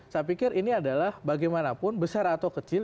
saya pikir ini adalah bagaimanapun besar atau kecil